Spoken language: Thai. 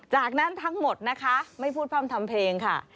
จากนั้นทั้งหมดนะคะไม่พูดพร่ำทำเพลงค่ะ